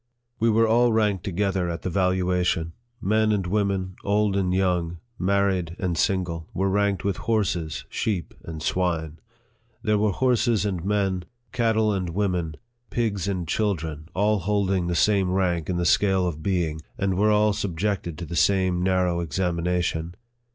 We were all ranked together at the valuation. Men and women, old and young, married and single, were ranked with horses, sheep, and swine. There were horses and men, cattle and women, pigs and children, all holding the same rank in the scale of being, and were all subjected to the same narrow ex amination.